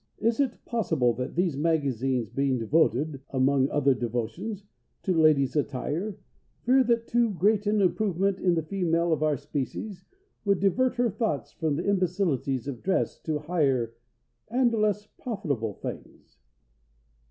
Is it possible that these magazines being devoted (among other devotions) to ladies' attire, fear that too great an improvement in the female of our species would divert her thoughts from the imbecilities of dress to higher—and less profitable—things?